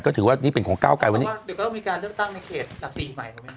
ก็ถือว่านี่เป็นของเก้าไก่วันนี้เดี๋ยวก็มีการเลือกตั้งในเขตหลักสี่ใหม่